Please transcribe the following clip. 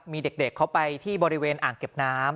มีเด็กเขาไปที่บริเวณอ่างเก็บน้ำ